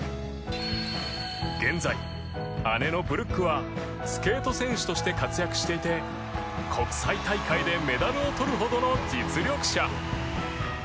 現在姉のブルックはスケート選手として活躍していて国際大会でメダルを取るほどの実力者。